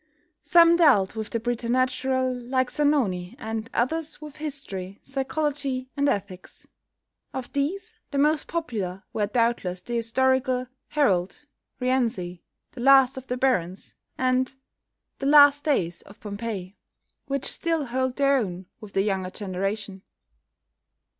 Some dealt with the preternatural like "Zanoni," and others with history, psychology, and ethics. Of these the most popular were doubtless the historical "Harold," "Rienzi," "The Last of the Barons," and "The Last Days of Pompeii," which still hold their own with the younger generation.